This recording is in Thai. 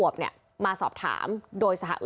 ล้านที่หายใส่